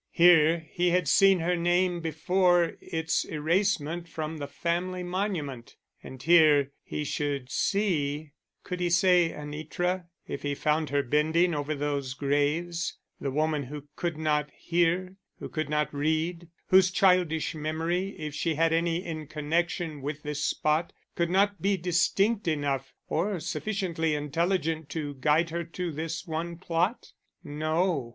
Here he had seen her name before its erasement from the family monument, and here he should see could he say Anitra if he found her bending over those graves; the woman who could not hear, who could not read, whose childish memory, if she had any in connection with this spot, could not be distinct enough or sufficiently intelligent to guide her to this one plot? No.